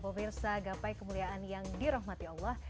pemirsa gapai kemuliaan yang dirahmati allah